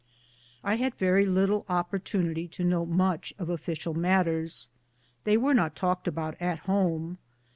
I had very little opportunity to know much of official matters ; they were not talked about at home.